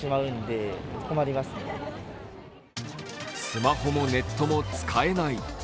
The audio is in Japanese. スマホもネットも使えない。